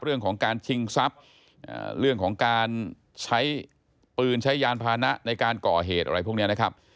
เรื่องของการชิงทรัพย์เรื่องของการใช้ปืนใช้ยานพานะในการก่อเหตุอะไรพวกนี้นะครับ